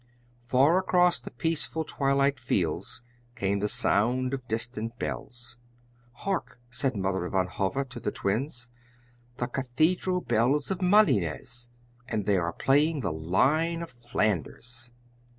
Far across the peaceful twilight fields came the sound of distant bells. "Hark!" said Mother Van Hove to the Twins "the cathedral bells of Malines! And they are playing 'The Lion of Flanders!'"